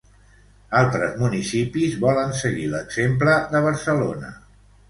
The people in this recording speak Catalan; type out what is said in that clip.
Altres municipis volen seguir l'exemple de Barcelona.